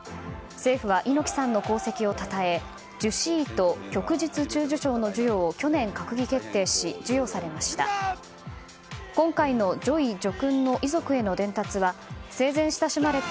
政府は猪木さんの功績をたたえ従四位と旭日中綬章の授与を去年、閣議決定し授与されました。